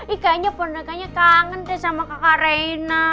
ih kayaknya bonekanya kangen deh sama kakak rena